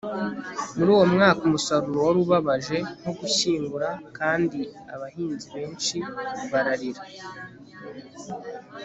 muri uwo mwaka umusaruro wari ubabaje, nko gushyingura, kandi abahinzi benshi bararira